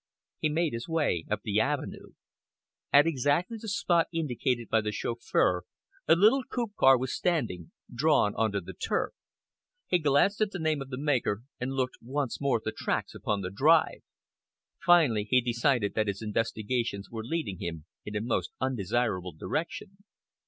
He made his way up the avenue. At exactly the spot indicated by the chauffeur a little coupe car was standing, drawn on to the turf. He glanced at the name of the maker and looked once more at the tracks upon the drive. Finally, he decided that his investigations were leading him in a most undesirable direction.